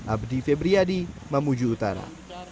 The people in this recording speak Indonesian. abdi febriyadi mamuju utara